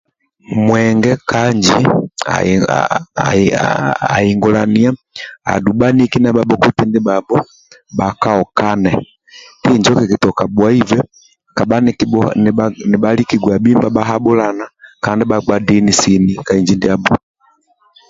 Mwenge ka inji ahingu ahingu ahingulania adhu bhaniki na bhabhoti ndibhabho bhakaokane injo kikitoka bhuaibe kabha nikibhu nibhaliiki gwabhimba bhahabhulana kandi bhagba sini ka inji ndiabho